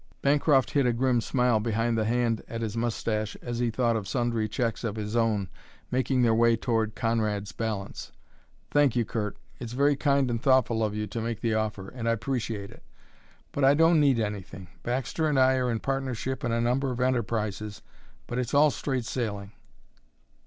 Bancroft hid a grim smile behind the hand at his moustache as he thought of sundry checks of his own making their way toward Conrad's balance. "Thank you, Curt; it's very kind and thoughtful of you to make the offer, and I appreciate it. But I don't need anything. Baxter and I are in partnership in a number of enterprises, but it's all straight sailing."